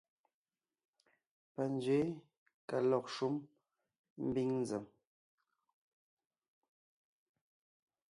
Panzwě ka lɔg shúm ḿbiŋ nzèm.